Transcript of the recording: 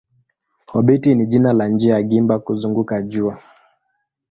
Obiti ni jina la njia ya gimba kuzunguka jua.